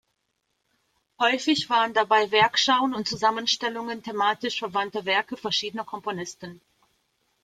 Häufig waren dabei Werkschauen und Zusammenstellungen thematisch verwandter Werke verschiedener Komponisten.